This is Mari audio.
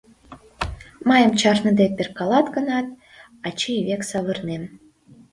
Мыйым чарныде перкалат гынат, ачий век савырнем...